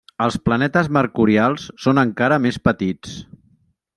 Els planetes mercurials són encara més petits.